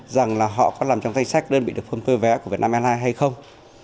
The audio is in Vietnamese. rằng là họ có làm trong danh sách đơn vị được phân phơi vé của việt nam airlines hay không